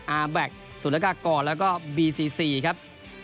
แบ็คสุรกากรแล้วก็บีซีซีครับ